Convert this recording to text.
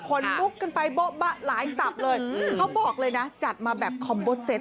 มุกกันไปโบ๊ะบะหลายตับเลยเขาบอกเลยนะจัดมาแบบคอมโบเซต